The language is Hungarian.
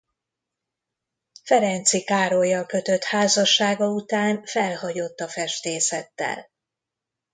Ferenczy Károllyal kötött házassága után felhagyott a festészettel.